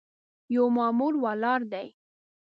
یو مامور ولاړ دی.